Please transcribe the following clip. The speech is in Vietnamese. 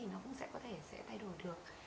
nó cũng sẽ có thể thay đổi được